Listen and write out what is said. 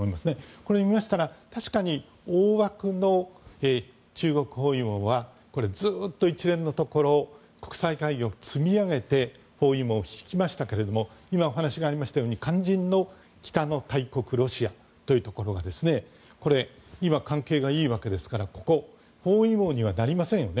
これを見ましたら確かに大枠の中国包囲網はずっと一連のところ国際会議を積み上げて包囲網を敷きましたが今、お話がありましたように肝心の北の大国、ロシアが今、関係がいいわけですからここ、包囲網にはなりませんよね。